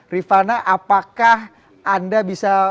rifana apakah anda bisa